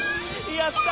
やった！